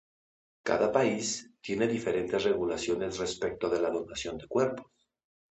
Cada país tiene diferentes regulaciones respecto de la donación de cuerpos.